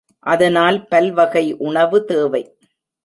அதனால் பல்வகை உணவு, தேவை.